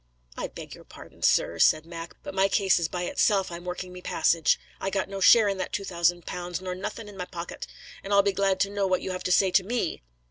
"I beg your pardon, sir," said Mac, "but my case is by itself I'm working me passage; I got no share in that two thousand pounds nor nothing in my pockut; and I'll be glad to know what you have to say to me?"